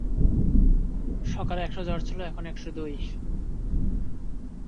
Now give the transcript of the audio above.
সকালে এক শ এক জ্বর ছিল, এখন এক শ দুই।